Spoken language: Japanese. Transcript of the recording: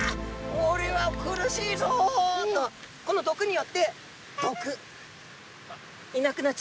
おれは苦しいぞ！」とこの毒によってどく。